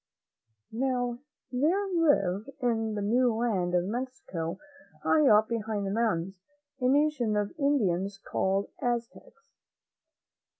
Now, there lived in the new land of Mexico, high up behind the mountains, a nation of Indians called Aztecs.